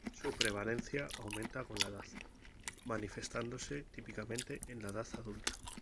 Su prevalencia aumenta con la edad, manifestándose típicamente en la edad adulta.